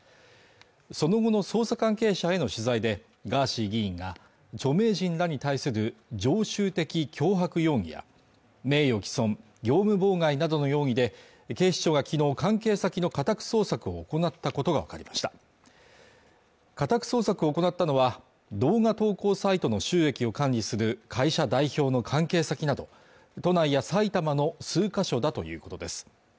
その後の捜査関係者への取材でガーシー議員が著名人らに対する常習的脅迫容疑や名誉毀損、業務妨害などの容疑で警視庁が昨日関係先の家宅捜索を行ったことが分かりました家宅捜索を行ったのは動画投稿サイトの収益を管理する会社代表の関係先など都内や埼玉の数か所だということです